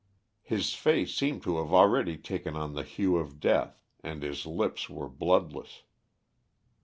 His face seemed to have already taken on the hue of death and his lips were bloodless.